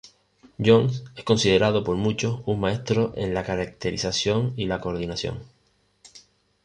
Jones es considerado por muchos como un maestro en la caracterización y coordinación.